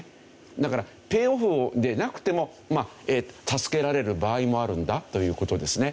だからペイオフでなくても助けられる場合もあるんだという事ですね。